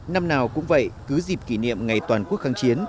năm nào cũng vậy cứ dịp kỷ niệm ngày toàn quốc kháng chiến